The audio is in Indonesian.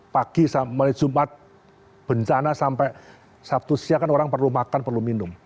pagi sampai jumat bencana sampai sabtu siang kan orang perlu makan perlu minum